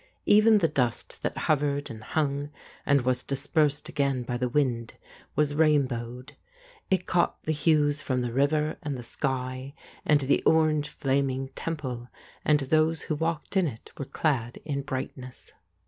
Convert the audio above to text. Even the dust that hovered and hung and was dispersed again by the wind was rain bowed; it caught the hues from the river and the sky and the orange flaming temple, and those who walked in it were clad in brightness.